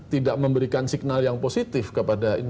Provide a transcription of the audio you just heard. tidak memberikan signal yang positif kepada